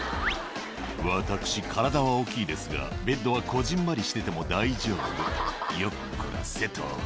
「私体は大きいですがベッドはこぢんまりしてても大丈夫」「よっこらせと」